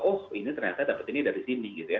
oh ini ternyata dapat ini dari sini